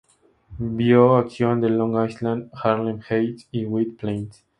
Vio acción en Long Island, Harlem Heights y White Plains.